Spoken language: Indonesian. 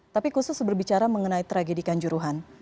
tapi khusus berbicara mengenai tragedi kanjuruhan